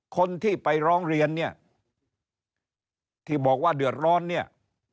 คนที่ไปร้องเรียนเนี่ยที่บอกว่าเดือดร้อนเนี่ย